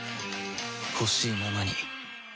ほしいままに